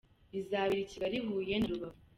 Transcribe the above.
Rizabera i Kigali, Huye na Rubavu.